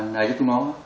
lấy cho chúng nó